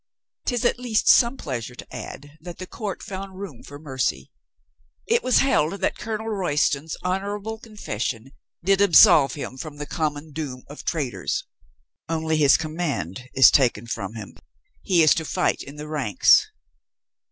"'Tis at least some pleasure to add that the court found room for mercy. It was held that Colonel Royston's honorable confession did absolve him from the common doom of traitors. Only his com mand is taken from him ; he is to fight in the ranks."